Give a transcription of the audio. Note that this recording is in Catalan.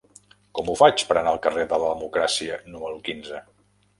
Com ho faig per anar al carrer de la Democràcia número quinze?